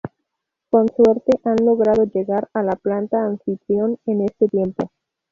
Con suerte, han logrado llegar a la planta anfitrión en este tiempo.